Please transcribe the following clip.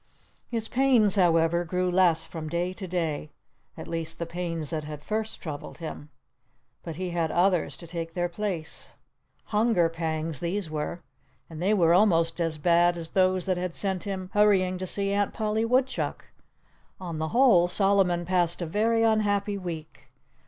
His pains, however, grew less from day to day—at least, the pains that had first troubled him. But he had others to take their place. Hunger pangs, these were! And they were almost as bad as those that had sent him hurrying to see Aunt Polly Woodchuck. On the whole, Solomon passed a very unhappy week.